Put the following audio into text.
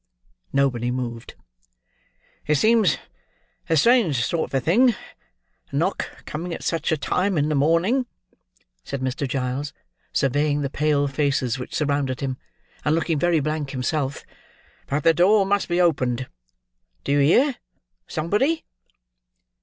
Nobody moved. "It seems a strange sort of a thing, a knock coming at such a time in the morning," said Mr. Giles, surveying the pale faces which surrounded him, and looking very blank himself; "but the door must be opened. Do you hear, somebody?"